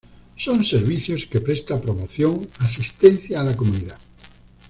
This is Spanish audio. Son servicios que presta promoción, asistencia a la comunidad.